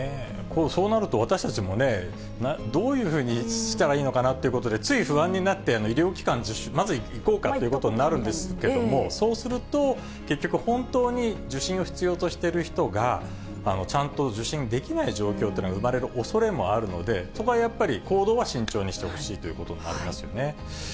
そうなると、私たちもね、どういうふうにしたらいいのかなと思って、つい不安になって、医療機関にまず行こうかということになるんですけれども、そうすると、結局、本当に受診を必要としている人が、ちゃんと受診できない状況というのが生まれるおそれもあるので、そこはやっぱり行動は慎重にしてほしいということがありますよね。